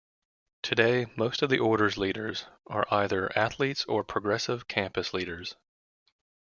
Today, most of the Order's members are either athletes or progressive campus leaders.